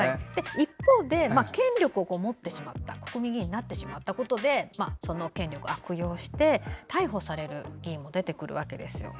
一方で権力を持ってしまった国民議員になってしまったことで権力を悪用して逮捕される議員も出てくるわけです。